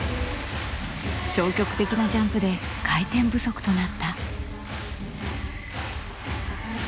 消極的なジャンプで回転不足となった。